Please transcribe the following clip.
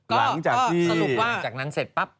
หลังจากนั้นเสร็จปั๊บ